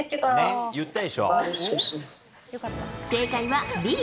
正解はＢ。